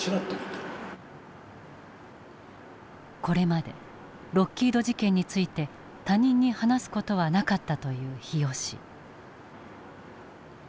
これまでロッキード事件について他人に話す事はなかったという日吉。